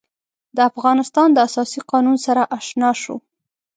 د افغانستان د اساسي قانون سره آشنا شو.